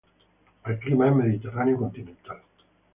El clima es mediterráneo continental.